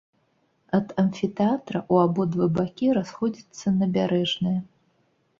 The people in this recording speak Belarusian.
Ад амфітэатра ў абодва бакі расходзіцца набярэжная.